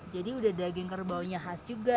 jadi udah daging kerbaunya khas juga